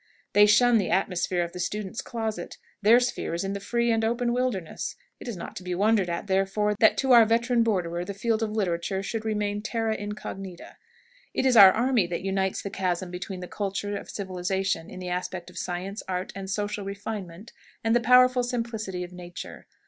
They shun the atmosphere of the student's closet; their sphere is in the free and open wilderness. It is not to be wondered at, therefore, that to our veteran borderer the field of literature should remain a "terra incognita." It is our army that unites the chasm between the culture of civilization in the aspect of science, art, and social refinement, and the powerful simplicity of nature.